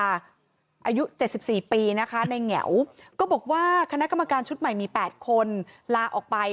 อายุ๗๔ปีนะคะในแง๋วก็บอกว่าคณะกรรมการชุดใหม่มี๘คนลาออกไป